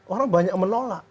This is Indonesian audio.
orang banyak menolak